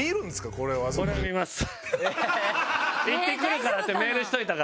「行ってくるから」ってメールしといたから。